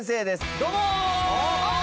どうもー！